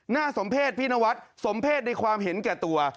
สมเพศพี่นวัดสมเพศในความเห็นแก่ตัว